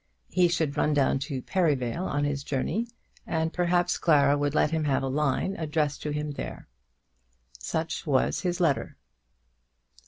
He should run down to Perivale on his journey, and perhaps Clara would let him have a line addressed to him there. Such was his letter.